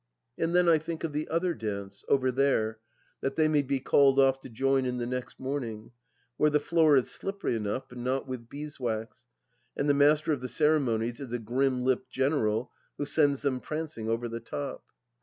And then I think of the other dance, over there, that they may be called off to join in the next morning, where the floor is slippery enough, but not with beeswax, and the Master of the Ceremonies is a grim lipped general who sends them prancing " over the top."